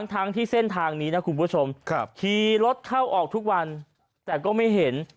ทั้งที่เส้นทางนี้นะคุณผู้ชมขี่รถเข้าออกทุกวันแต่ก็ไม่เห็น